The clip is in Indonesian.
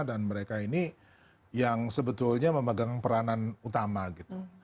dan mereka ini yang sebetulnya memegang peranan utama gitu